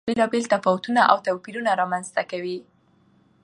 تاریخ د افغانستان د ناحیو ترمنځ بېلابېل تفاوتونه او توپیرونه رامنځ ته کوي.